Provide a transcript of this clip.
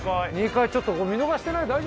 ２階ちょっと見逃してない？